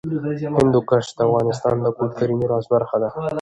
هندوکش د افغانستان د کلتوري میراث برخه ده.